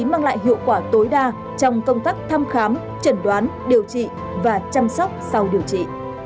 mang lại hiệu quả tối đa trong công tác thăm khám chẩn đoán điều trị và chăm sóc sau điều trị